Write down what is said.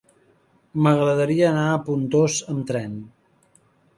M'agradaria anar a Pontós amb tren.